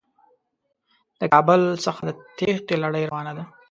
د کابل څخه د تېښتې لړۍ روانه ده.